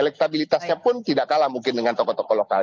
elektabilitasnya pun tidak kalah mungkin dengan tokoh tokoh lokal